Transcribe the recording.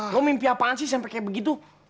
kok mimpi apaan sih sampai kayak begitu